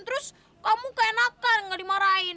terus kamu keenakan nggak dimarahin